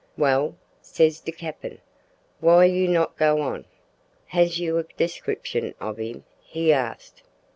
"`Well,' ses de cappin, `why you not go on?' "`Has you a description of him?' he asked.